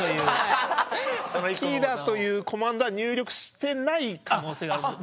好きだというコマンドは入力してない可能性があります。